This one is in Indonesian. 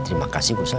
terima kasih gusan